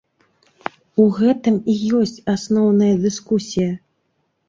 У гэтым і ёсць асноўная дыскусія.